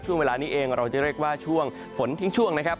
ช่วงเวลานี้เองเราจะเรียกว่าช่วงฝนทิ้งช่วงนะครับ